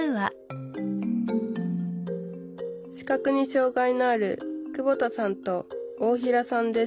視覚に障害のある久保田さんと大平さんです